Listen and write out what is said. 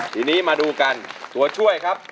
ทีนี้มาดูกันตัวช่วยครับ